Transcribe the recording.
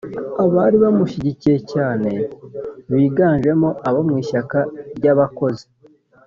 Abari bamushyigikiye cyane biganjemo abo mu ishyaka ry’Abakozi